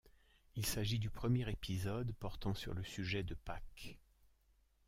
Il s'agit du premier épisode portant sur le sujet de Pâques.